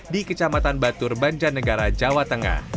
di kecamatan batur banjarnegara jawa tengah